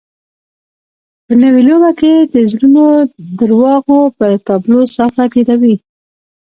په نوې لوبه کې د زړو درواغو پر تابلو صافه تېروي.